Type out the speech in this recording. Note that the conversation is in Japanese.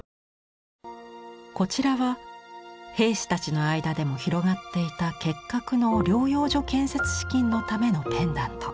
こちらは兵士たちの間でも広がっていた結核の療養所建設資金のためのペンダント。